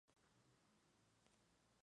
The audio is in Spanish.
Riego moderado.